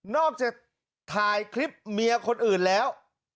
อกจากถ่ายคลิปเมียคนอื่นแล้ว